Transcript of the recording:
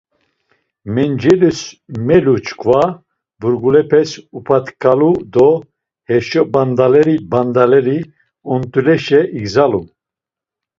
Mencelis melu çkva burgulepes upatkalu do heşo bandaleri bandaleri ont̆uleşa igzalu.